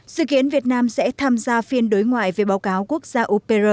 sự kiến việt nam sẽ tham gia phiên đối ngoại về báo cáo quốc gia upr